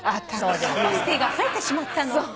キャパシティが増えてしまったの！？